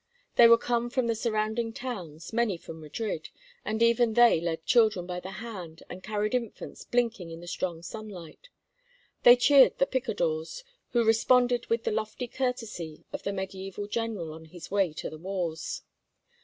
They were come from the surrounding towns, many from Madrid, and even they led children by the hand and carried infants blinking in the strong sunlight. They cheered the picadores, who responded with the lofty courtesy of the mediæval general on his way to the wars.